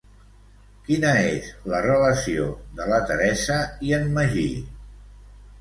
Quina és la relació de la Teresa i en Magí?